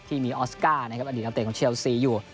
ออสการ์นะครับอดีตนักเตะของเชลซีอยู่